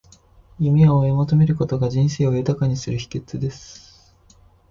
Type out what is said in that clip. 夢を追い求めることが、人生を豊かにする秘訣です。